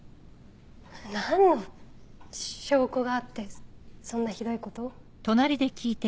何の証拠があってそんなひどいこと。